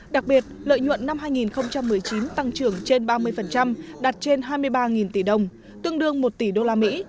đặc biệt lợi nhuận năm hai nghìn một mươi chín tăng trưởng trên ba mươi đạt trên hai mươi ba tỷ đồng tương đương một tỷ usd